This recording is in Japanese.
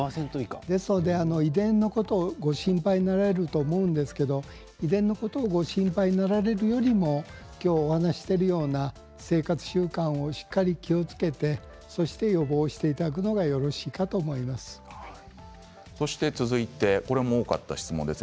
ですので、遺伝のことをご心配になられると思うんですけど遺伝のことをご心配になられるよりも今日お話ししているような生活習慣をしっかり気をつけてそして予防していただくのが続いてこれも多かった質問です。